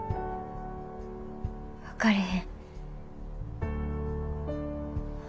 分かれへん。